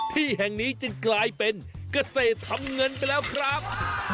ที่แห่งนี้จึงกลายเป็นเกษตรทำเงินไปแล้วครับ